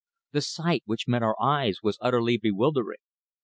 The sight which met our eyes was utterly bewildering.